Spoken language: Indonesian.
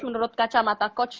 menurut kacamata coach